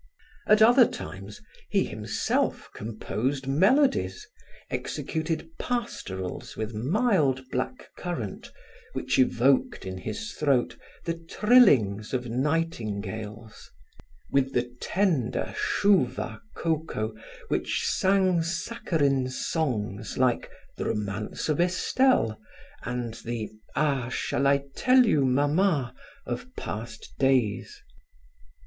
At other times, he himself composed melodies, executed pastorals with mild black currant which evoked, in his throat, the trillings of nightingales; with the tender chouva cocoa which sang saccharine songs like "The romance of Estelle" and the "Ah! Shall I tell you, mama," of past days.